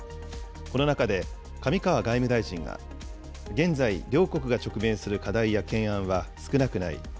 この中で上川外務大臣が、現在、両国が直面する課題や懸案は少なくない。